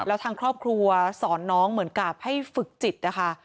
แล้วทางครอบครัวสอนน้องเหมือนกับให้ฝึกจิตนะคะ